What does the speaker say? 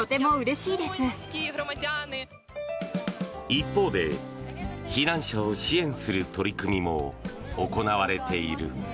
一方で避難者を支援する取り組みも行われている。